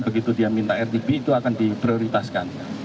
begitu dia minta rtb itu akan diprioritaskan